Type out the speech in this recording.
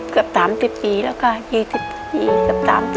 เกือบ๓๐ปีแล้วก็๒๐ปีเกือบ๓๐